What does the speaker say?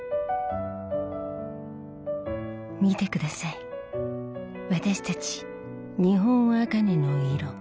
見て下さい私たち日本茜の色。